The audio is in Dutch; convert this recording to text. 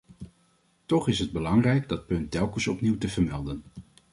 Toch is het belangrijk dat punt telkens opnieuw te vermelden.